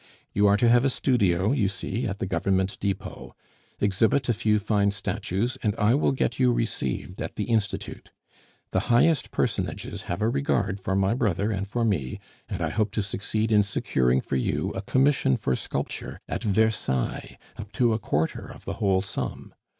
You are to have a studio, you see, at the Government depot. Exhibit a few fine statues, and I will get you received at the Institute. The highest personages have a regard for my brother and for me, and I hope to succeed in securing for you a commission for sculpture at Versailles up to a quarter of the whole sum.